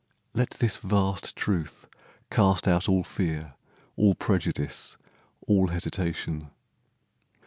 Let this Vast truth cast out all fear, all prejudice, All hesitation.